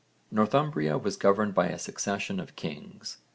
Northumbria was governed by a succession of kings.